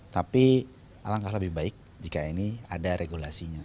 tapi alangkah lebih baik jika ini ada regulasinya